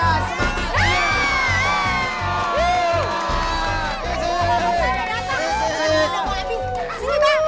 hai baik bos